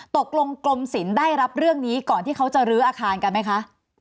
กรมศิลป์ได้รับเรื่องนี้ก่อนที่เขาจะลื้ออาคารกันไหมคะ